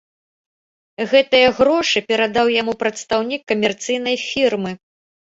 Гэтыя грошы перадаў яму прадстаўнік камерцыйнай фірмы.